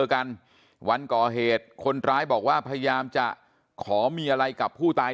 กันวันก่อเหตุคนร้ายบอกว่าพยายามจะขอมีอะไรกับผู้ตาย